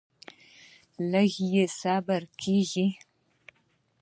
لږ یې بس کیږي.